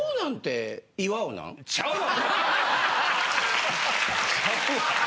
ちゃうわ！